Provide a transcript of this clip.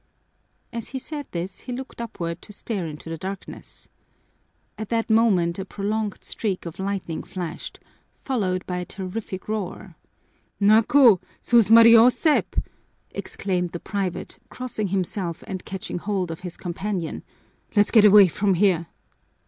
As he said this he looked upward to stare into the darkness. At that moment a prolonged streak of lightning flashed, followed by a terrific roar. "Nakú! Susmariosep!" exclaimed the private, crossing himself and catching hold of his companion. "Let's get away from here."